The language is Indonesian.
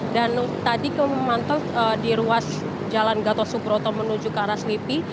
dan tadi kemantau di ruas jalan gatot subroto menuju ke arah selipi